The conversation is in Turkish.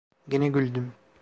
Gene güldüm.